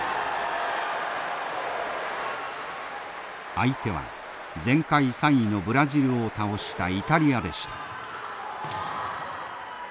相手は前回３位のブラジルを倒したイタリアでした。